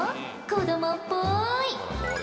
子どもっぽい。